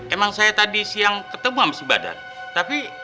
emang saya tadi siang ketemu sama si badar tapi